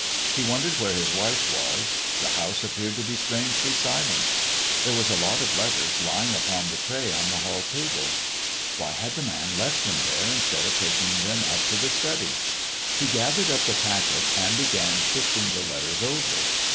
He wondered where his wife was; the house appeared to be strangely silent. There was a lot of letters lying upon the tray on the hall table. Why had the man left them there instead of taking them up to the study? He gathered up the packet and began shifting the letters over.